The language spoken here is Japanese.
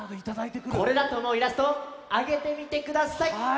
これだとおもうイラストをあげてみてください！